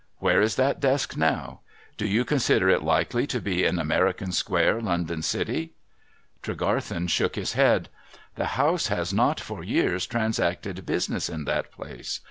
Where is that desk now ? Do you consider it likely to be in America square, London City ?' Tregarthen shook his head. ' The house has not, for years, transacted business in that place.